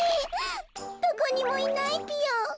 どこにもいないぴよ。